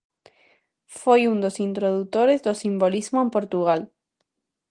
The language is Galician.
Foi un dos introdutores do simbolismo en Portugal.